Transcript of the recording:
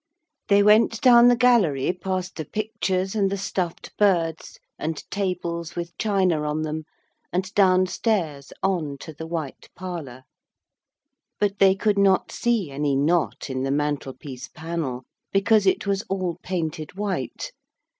They went down the gallery past the pictures and the stuffed birds and tables with china on them and downstairs on to the white parlour. But they could not see any knot in the mantelpiece panel, because it was all painted white.